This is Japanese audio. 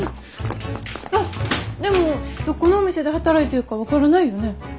あっでもどこのお店で働いてるか分からないよね？